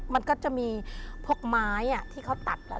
มันก็จะมีพวกไม้ที่เขาตัดแล้ว